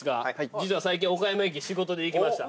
実は最近岡山駅仕事で行きました。